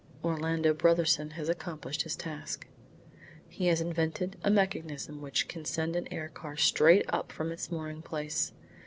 Orlando Brotherson has accomplished his task. He has invented a mechanism which can send an air car straight up from its mooring place.